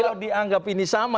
kalau dianggap ini sama